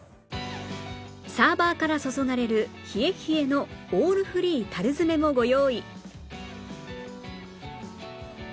サーバーから注がれる冷え冷えのオールフリー樽詰もご用意